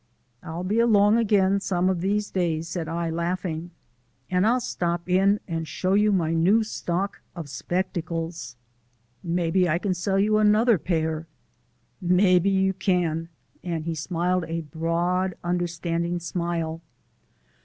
"I'll be along again some of these days," said I, laughing, "and I'll stop in and show you my new stock of spectacles. Maybe I can sell you another pair!" "Maybe you kin," and he smiled a broad, understanding smile.